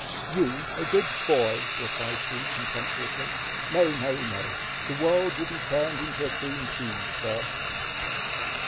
"You a good boy!" replied she contemptuously: "No! no! the world will be turned into a cream cheese first!"